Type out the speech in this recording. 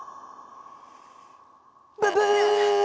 ブブーッ！